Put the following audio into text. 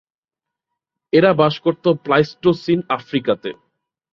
এরা বাস করত প্লাইস্টোসিন আফ্রিকাতে।